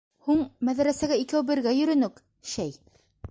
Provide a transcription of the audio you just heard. Һуң, мәҙрәсәгә икәү бергә йөрөнөк, шәй...